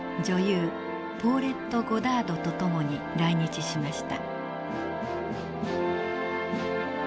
ポーレット・ゴダードと共に来日しました。